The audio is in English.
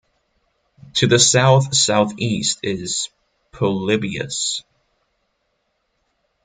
To the south-southeast is Polybius.